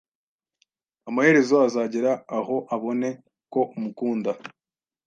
amaherezo azagera aho abone ko umukunda